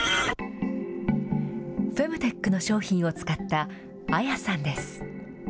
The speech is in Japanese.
フェムテックの商品を使ったあやさんです。